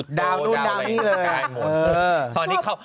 ดาวนู่นดาวนี่เลย